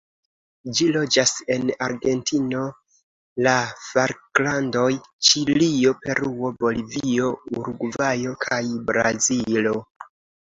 Ĝi loĝas en Argentino, la Falklandoj, Ĉilio, Peruo, Bolivio, Urugvajo, kaj Brazilo.